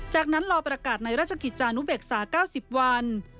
จากนั้นรอประกาศในราชกิจจานุเบกษา๙๐วัน